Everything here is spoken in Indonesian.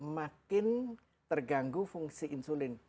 makin terganggu fungsi insulin